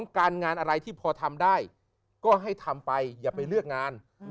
การงานอะไรที่พอทำได้ก็ให้ทำไปอย่าไปเลือกงาน